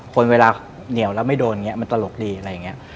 คนเวลาเหนียวแล้วไม่โดนอย่างนี้มันตลกดีอะไรอย่างนี้